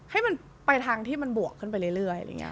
ให้มันไปทางที่มันบวกขึ้นไปเรื่อย